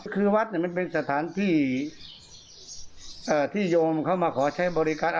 คือวัดมันเป็นสถานที่ที่โยมเขามาขอใช้บริการ